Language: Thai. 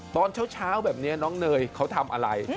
ตอนเช้าแบบนี้น้องเนยเขาทำอะไร